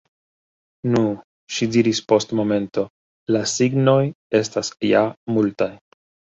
Nu, ŝi diris post momento, la signoj estas ja multaj.